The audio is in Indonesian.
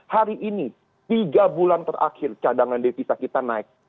hari ini tiga bulan terakhir cadangan devisa kita naik